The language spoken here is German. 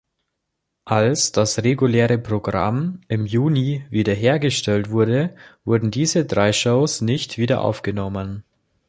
Als das reguläre Programm im Juni wiederhergestellt wurde, wurden diese drei Shows nicht wiederaufgenommen.